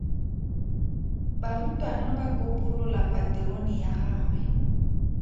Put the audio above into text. Barutwana ba kopolola paterone ya gagwe.